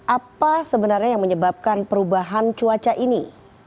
apa sebenarnya yang menyebabkan perubahan cuaca ini